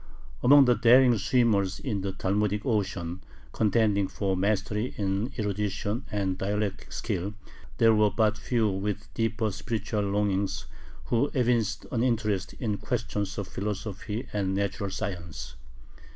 Among the daring "swimmers in the Talmudic ocean," contending for mastery in erudition and dialectic skill, there were but few with deeper spiritual longings who evinced an interest in questions of philosophy and natural science.